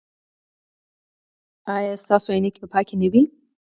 ایا ستاسو عینکې به پاکې نه وي؟